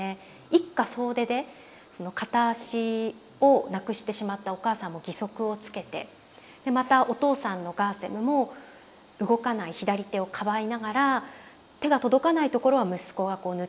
一家総出で片足をなくしてしまったお母さんも義足をつけてまたお父さんのカーセムも動かない左手をかばいながら手が届かない所は息子がこう塗ってくれたり。